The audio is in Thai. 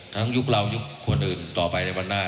ยุคเรายุคคนอื่นต่อไปในวันหน้า